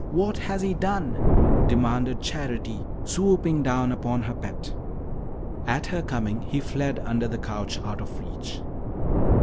What has he done?" demanded Charity, swooping down upon her pet. At her coming, he fled under the couch out of reach.